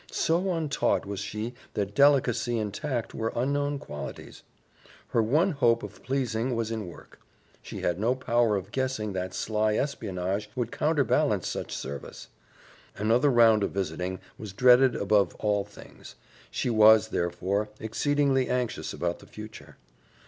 So untaught was she that delicacy and tact were unknown qualities. Her one hope of pleasing was in work. She had no power of guessing that sly espionage would counterbalance such service. Another round of visiting was dreaded above all things; she was, therefore, exceedingly anxious about the future.